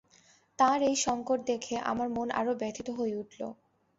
তাঁর এই সংকট দেখে আমার মন আরো ব্যথিত হয়ে উঠল।